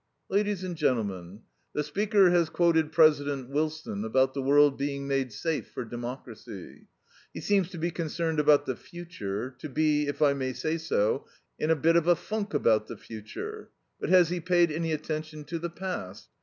"Ladies and gentlemen. The speaker has quoted President Wilson about the world being made safe for democracy. He seems to be concerned about the future, to be, if I may say so, in a bit of a funk about the future. But has he paid any attention to the past?